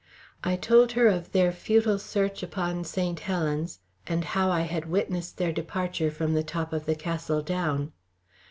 I told her of their futile search upon St. Helen's, and how I had witnessed their departure from the top of the Castle Down.